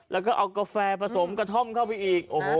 แล้วก็เอากาแฟผสมกระท่อมเข้าไปอีก